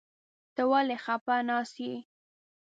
ته ولې خپه ناست يې ؟